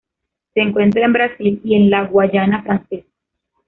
Se encuentra en Brasil y en la Guayana francesa.